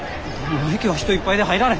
もう駅は人いっぱいで入られへん。